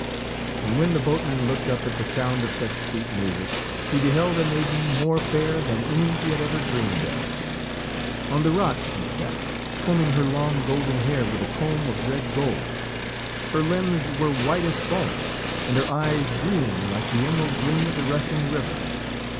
And when the boatman looked up at the sound of such sweet music, he beheld a maiden more fair than any he had ever dreamed of. On the rock she sat, combing her long golden hair with a comb of red gold. Her limbs were white as foam and her eyes green like the emerald green of the rushing river.